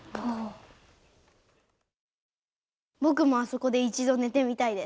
僕もあそこで一度寝てみたいです。